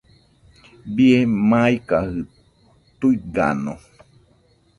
Bie maikajɨ¿tuigano?